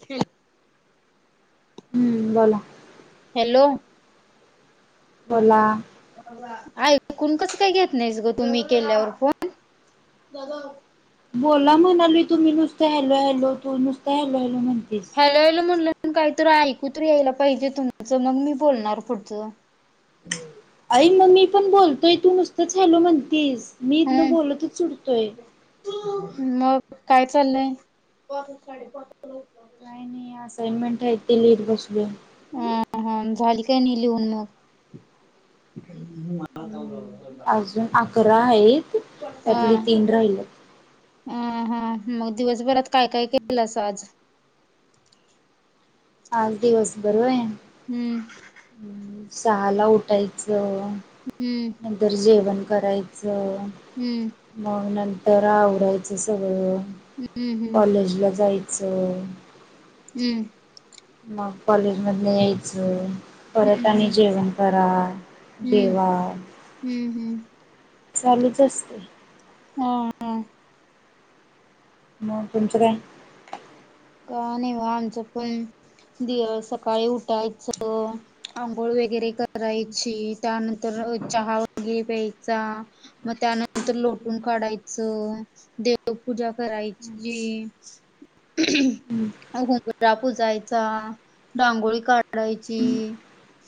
खेळ. हम्म, बोला. हॅलो. बोला ऐकूण कसं काय घेत नाहीस गं, तुम्ही केल्यावर फोन बोला म्हणालोय तुम्ही नुसत हॅलो हॅलो, तू नुसतं हॅलो हॅलो म्हणतीस. हॅलो हॅलो म्हणलं तर काहीतरी ऐकूतर यायला पाहिजे तुमचं, मग मी बोलणार पुढचं. आई मग मी पण बोलतोय. तू नुसतंच हॅलो म्हणतीस. मी इथनं बोलतच सुटतोय. तु. मग काय चाललंय? काय नाही, असाइनमेंट आहे ती लिहीत बसलोय. अ हा, झाली काय नाही लिहून मग? अजून अकरा आहेत, त्यातले तीन राहिलेत. अ हा, मग दिवसभरात काय काय केलसं आज [unintelligible] आज दिवसभर होय?. हम्म. सहाला उठायचं, हम्म नंतर जेवण करायचं. हम्म. मग नंतर आवरायचं सगळं, हम्म कॉलेजला जाय च. हम्म. मग कॉलेज मधन यायचं, हम्म परत आणि हम्म जेवण करा. हम्म जेवा हम्म हम्म. चालूच असते. हम. मग तुमच काय काय नाही निवांत झोपुन दि सकाळी उठायच आंघोळ वगैरे करायची त्यानंतर चहा वगैरे प्यायचा मग त्यानंतर लोटुन काढायच देवपुजा करायची हम्म. उंबरा पुजायचा रांगोळी काढायची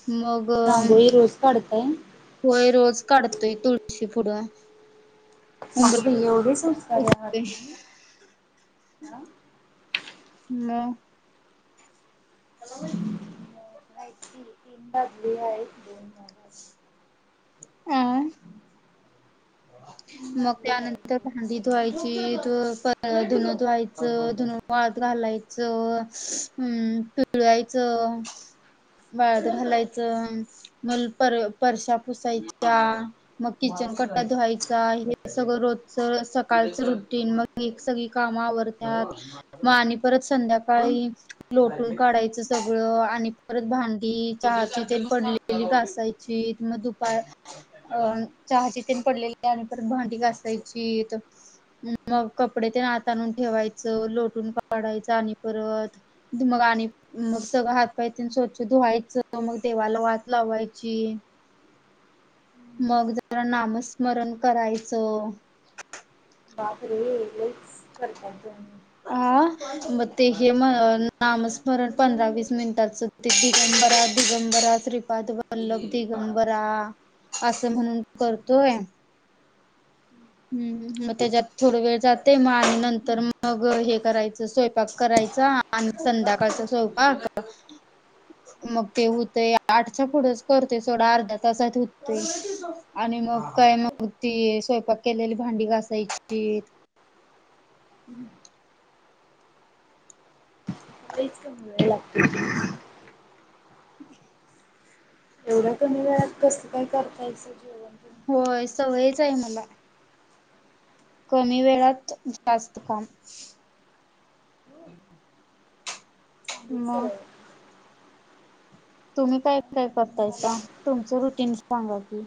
मग रांगोळी रोज काढते होय रोज काढतोय तुळशी पुढ अगं बाई उंबरा एवढे संस्कारी आहात पुजते तुम्ही हा. मग माहिती तीन बादली आहे दोन [inaudible] आं तीन मग बादली आहेत त्यानंतर दोन भांडी मग आहेत धुवायची धुन धुवायच धुन वाळत घालायच ह् पिळायचं वाळत घालायच मग पर परशा पुसायच्या मग किचन कट्ट्या धुवायचा हे सगळ रोजच सकाळच रुटीन मग एक सगळी काम आवरणार मग आणि परत संध्याकाळी लोटून काढायच सगळ आणि परत भांडी चहाचे चे पडले घासायची मग दुपार अं चहाची ते पडलेली त्यानंतर भांडी घासायची मग कपडे ते इत आणुन ठेवायच लोटून काढायच आणि परत मग आणि मग सगळ हात पाय स्वच्छ धुवायच मग देवाला वात लावायची मग जरा नामस्मरण करायच बापरे लईच करतात ग हा मग ते हे म नामस्मरण पंधरा वीस मिनिटाच दिगंबरा दिगंबरा श्रीपाद वल्लभ दिगंबरा अस म्हणून करतोय हम् मग त्याच्यात थोड वेळ जाते मग आणि नंतर मग हे करायच स्वयंपाक करायचा आणि संध्याकाळचा स्वयंपाक मग ते होते आठच्या पुढेच करते सोडा अर्ध्या तासात होत ते आणि मग काय म मग ती स्वयंपाक केलेली भांडी घासायची हम्म लईच करा लागते हम [inaudible] एवढ्या कमी वेळात कस काय करतात येत सगळ होय सवयच आहे मला कमी वेळात जास्त काम चांगली सवय मग आहे तुम्ही काय काय आणि करताय मला काम तुमच रुटीन सांगा की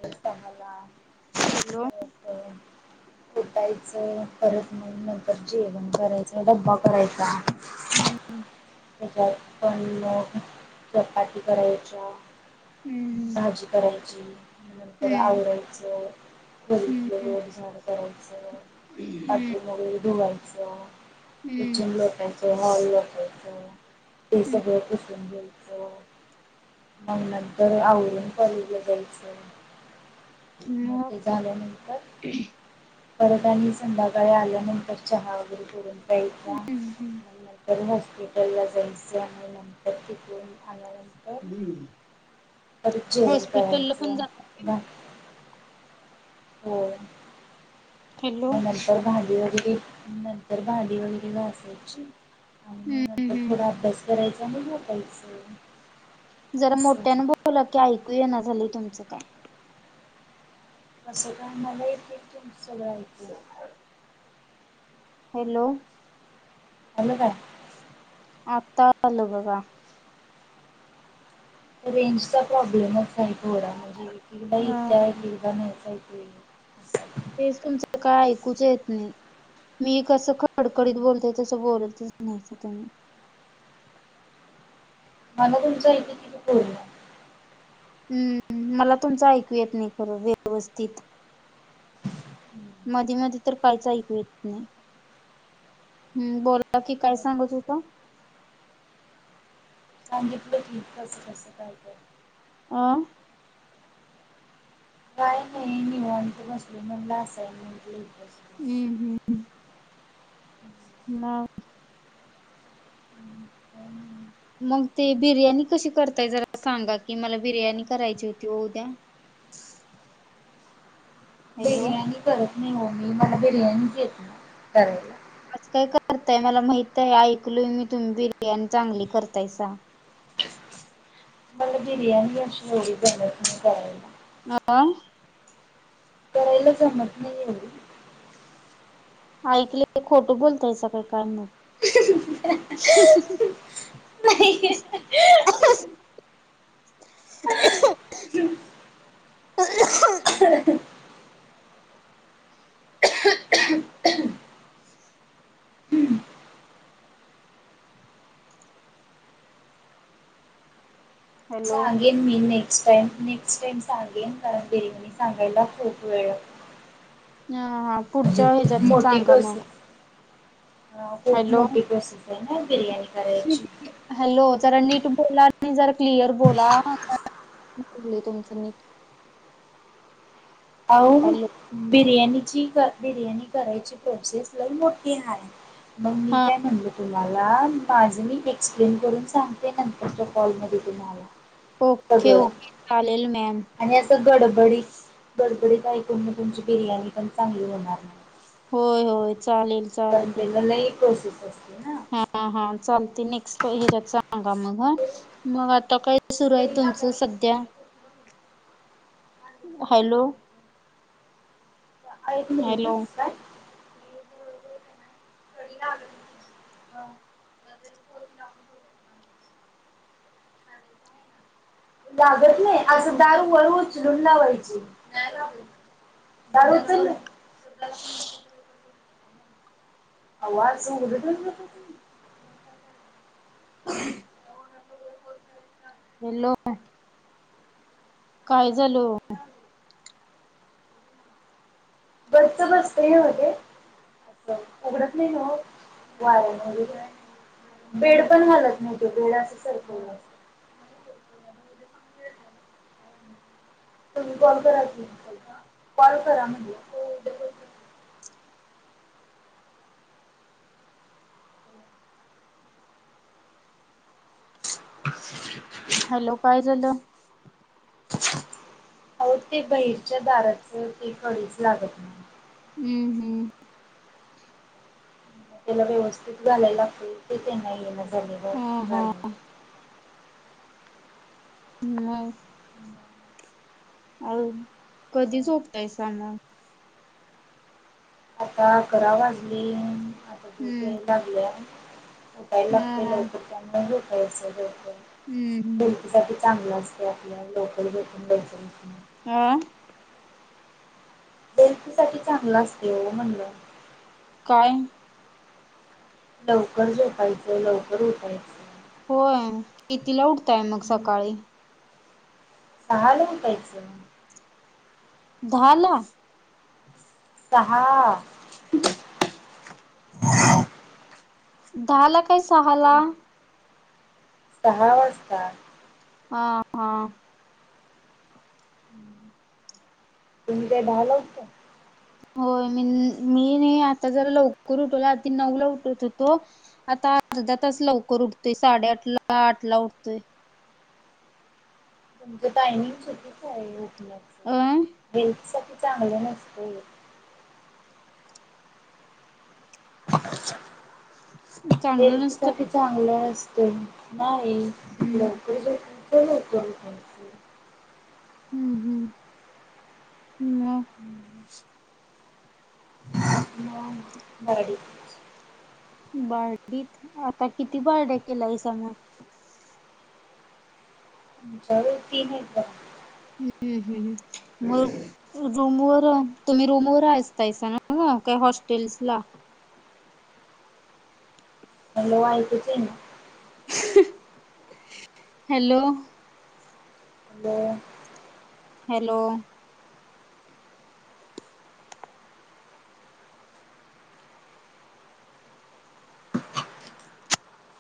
सगल [inaudible] हॅलो उठायच परत नाहीतर नंतर जेवण करायच डब्बा करायचा हम्म त्याच्यात पण चपाती करायच्या हम्म भाजी करायची नंतर आवरायचं हम्म गल्लीतलं हम्म रोज झाान करायचं हम्म आतली मोरी धोयचा हम्म किचन लोटायचं हॉल लोटायचं ते सगळ पुसून घ्यायचं आणि नंतर आवरून कॉलेजला जायचं म हम्म मग ते झाल्यानंतर परत आणि संध्याकाळी आल्यानंतर चहा वगैरे करून प्याचा आणि नंतर हॉस्पिटल ला जायचं आणि नंतर तिकडून आल्या नं तर परत जेवण हॉस्पिटलला पण करायचं जात हो हॅलो तर भाडी वगैरे नंतर भाडी वगैरे घसायची हम्म आणि नंतर हम्म थोडा अभ्यास करायचा आणि झोपायचं जरा असं मोठ्यान बोला की ऐकू ये ना झाली तुमचं काय कसं काय मला येतय तुम सगळं ऐकु हॅलो हॅल्लो काय आता आल बघा रेंजचा प्रॉब्लेमच आहे थोडा म्हणजे एकदा येत अ एकदा नाही तेच तुमचं काय ऐकूच येत नाही मी कसं खडकडीत बोलते तसं बोलत नाहीच तुम्ही मला तुमचं आयकू येत की पूर्ण हम्म मला तुमचं ऐकू येत नाही खरं व्यवस्थित हं. मधी मधी तर काहीच ऐकू येत नाही हम् बोला की काय सांगत होता सांगितलं की कसं कसं काय काय आं. काय नाही निवांत बसलेलो म्हणलं असाइनमेंट लिहित बसावं. हम् हम्म. [inaudible] नाही हम्म काय नाही. मग ते बिर्याणी कशी करताय जरा सांगा की मला बिर्याणी करायची होती ओ उद्या. हॅलो बिर्याणी करत नाही ओ मी मला बिर्याणीच येत नाही करायला. असं काय करताय मला माहित आहे ऐकलोय मी तुम्ही बिर्याणी चांगली करतायसा. मला बिर्याणी अशी एवढी जमत नाही करायला. [unintelligible] करायला जमत नाही एवढी. ऐकलंय खोटं बोलतायसा का काय मग. नाही. [unintelligible] [unintelligible] [unintelligible] चाल. हॅलो सांगेन मी नेक्स्ट टाईम नेक्स्ट टाईम सांगेन, कारण बिर्याणी सांगायला खूप वेळ लागतो. हा हा पुढच्या हेच्यात सांगा मग. हा खूप हॅलो मोठी प्रोसेस आहे ना बिर्याणी करायची. हॅलो जरा नीट बोला आणि जरा क्लिअर बोला. [unintelligible] तुमच नीट. अहो हॅलो बिर्याणीची बिर्याणी करायची प्रोसेस लई मोठी हाय. मग मी हा काय म्हणल तुम्हाला माझ मी एक्सप्लेन करून सांगते नंतरच्या कॉल मध्ये तुम्हाला. ओके सगळं ओके चालेल मॅम. आणि असं गडबडीत गडबडीत ऐकून मग तुमची बिर्याणी पण चांगली होणार नाही. होय होय चालेल. कारण चालेल त्याला लई प्रोसेस असते न. हा हा चालतंय नेक्स्ट हेच्यात सांगा मग ह, मग आता काय सुरू आहे तुमचं सध्या? हॅलो हा एक मिनिट अ हॅलो काय? [unintelligible] हा लागत नाही असं दार वर उचलून लावायचं. दार उचललं? आवा असं उघडं ठेवून जाता तुम्ही? हॅलो काय झालं ओ? गच्च बसतंय नव्हं ते? उघडत नाही ओ वाऱ्यान वगैरे? बेड पण हालत नव्हतं, बेड असं सरकवलं अस तुम्ही कॉल करा की कॉल करा म्हणलं. [inaudible] हॅलो काय झालं? [inaudible] अहो ते बहिरच्या दाराचं ते कडीच लागत नव्ह हम्म हम्म त्याला व्यवस्थित घालायला लागतंय ते त्यांना येण जमेना ह हा घालणं. हम्म मंग आओ कधी झोपताय सा मंग? आता अकरा वाजले आता झोप हम्म यायला लागल्या. उठायला हा लागतंय हा लवकर च्या न झोपायचं लवकर. हम्म हम्म साठी चांगलं असते आपल्या लवकर झोपून लवकर उठन. आ [unintelligible] चांगलं असते ओ म्हणलं. काय? लवकर झोपायचं लवकर उठायचं. होय, कितीला उठताय मग हम्म सकाळी मग सकाळी? सहाला उठायचं. झाला. सहा... दहा लाख काय सहाला? दहा वाजता. हा हा तुम्ही काय दहाला [unintelligible] होय मी मी नाही आता जरा लवकर उठवला आधी नऊला उठत होतो आता अर्धा तास लवकर उठतोय साडेआठ ला आठ ला उठतोय. तुमच टायमिंग चुकीच आहे उठण्याच अ हेल्थ सा चांगलं नसतं. चांगलं हेल्थ साठी नसतंय चांगलं नसतंय थांब हा एक मि- हम्म लवकर झोपतोय लवकर उठतोय. हम्म हम्म हम्म हम्म [inaudible] बारडीत आता किती बारड्या केलाय हा. जरू तीन हायता. हम्म हम्म हम्म मग रूमवरर तुम्ही रूमवरर असतायसा ना काही हॉस्टेलस ला. हॅलो ऐकू येत नाही. हॅलो! हो हॅलो!